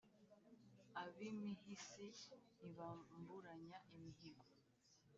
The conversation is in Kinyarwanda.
ab'imihisi ntibamburanya imihigo